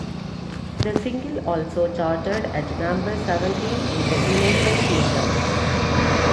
The single also charted at number seventeen in the United Kingdom.